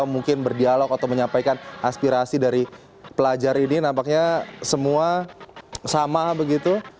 mungkin berdialog atau menyampaikan aspirasi dari pelajar ini nampaknya semua sama begitu